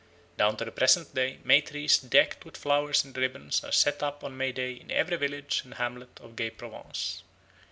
Down to the present day May trees decked with flowers and ribbons are set up on May Day in every village and hamlet of gay Provence.